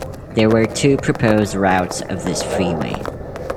There were two proposed routes of this freeway.